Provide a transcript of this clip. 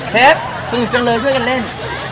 เชฟสนุกจังเลยช่วยกันเล่น